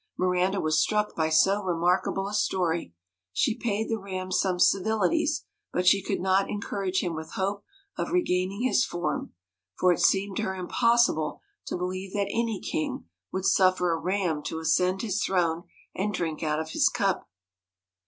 Miranda was struck by so remarkable a story; she paid the Ram some civilities, but she could not encourage him with hope of regaining his form, for it seemed to her impossible to believe that any king 156 would suffer a ram to ascend his throne and drink MIRANDA out of his cup.